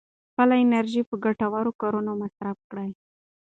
خپله انرژي په ګټورو کارونو مصرف کړئ.